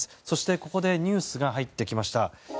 そして、ここでニュースが入ってきました。